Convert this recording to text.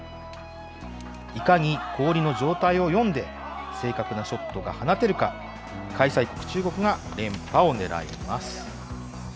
いかに氷の状態を読んで、正確なショットが放てるか、開催国中国が連覇をねらいます。